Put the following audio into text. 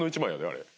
あれ。